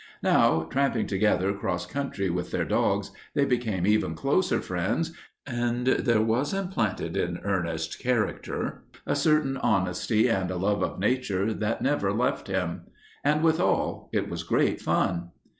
Now, tramping together 'cross country with their dogs, they became even closer friends, and there was implanted in Ernest's character a certain honesty and a love of nature that never left him. And withal, it was great fun.